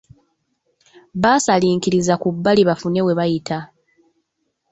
Baasalinkiriza ku bbali bafune we bayita.